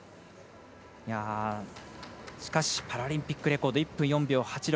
しかしパラリンピックレコード１分４秒８６。